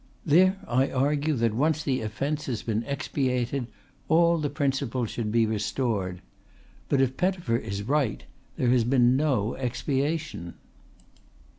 "There I argue that, once the offence has been expiated, all the privileges should be restored. But if Pettifer is right there has been no expiation."